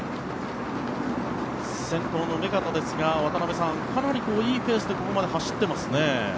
先頭の目片ですが渡辺さん、かなりいいペースでここまで走っていますね。